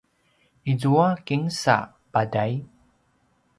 izua kinsa paday?